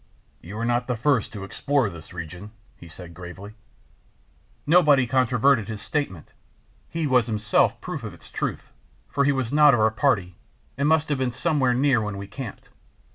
"You are not the first to explore this region," he said, gravely. Nobody controverted his statement; he was himself proof of its truth, for he was not of our party and must have been somewhere near when we camped.